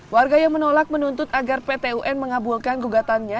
warga yang menolak menuntut agar ptun mengabulkan gugatannya